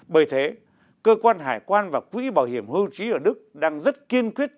bởi thế cơ quan hải quan và quỹ bảo hiểm hưu trí ở đức đang rất kiên quyết